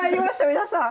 皆さん。